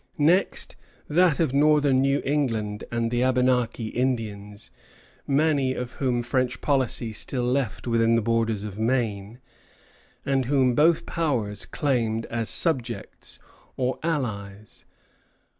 Next, that of northern New England and the Abenaki Indians, many of whom French policy still left within the borders of Maine, and whom both powers claimed as subjects or allies.